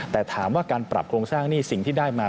แต่ถามว่าการปรับโครงสร้างหนี้สิ่งที่ได้มา